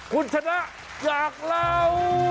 คุณชนะอยากเล่า